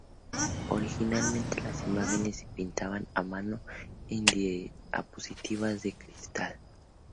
Originalmente, las imágenes se pintaban a mano en diapositivas de cristal.